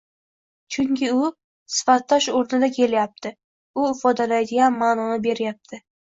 Chunki u sifatdosh oʻrnida kelyapti, u ifodalaydigan maʼnoni beryapti